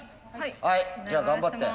はいじゃあ頑張って。